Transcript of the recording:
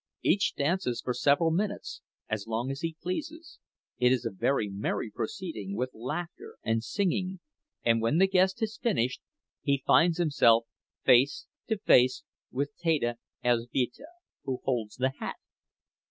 Each dances for several minutes—as long as he pleases; it is a very merry proceeding, with laughter and singing, and when the guest has finished, he finds himself face to face with Teta Elzbieta, who holds the hat.